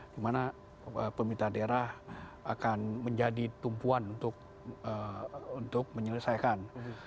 di mana pemerintah daerah akan menjadi tumpuan untuk menyelesaikan